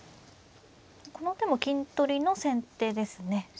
この手も金取りの先手ですね。